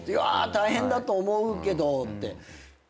大変だと思うけどって。